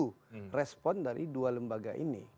dan kami harapkan dari dua lembaga ini